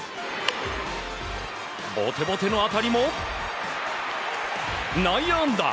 ボテボテの当たりも内野安打！